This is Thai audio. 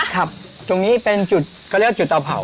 ครับตรงนี้เป็นจุดเขาเรียกว่าจุดเตาเผา